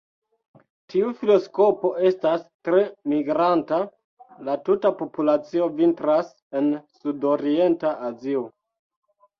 Tiu filoskopo estas tre migranta; la tuta populacio vintras en sudorienta Azio.